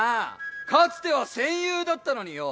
かつては戦友だったのによ。